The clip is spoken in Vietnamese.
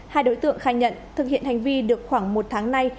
hai đối tượng khai nhận thực hiện hành vi được khoảng một tháng nay